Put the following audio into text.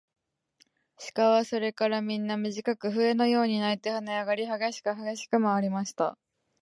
鹿はそれからみんな、みじかく笛のように鳴いてはねあがり、はげしくはげしくまわりました。